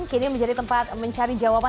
kini menjadi tempat mencari jawaban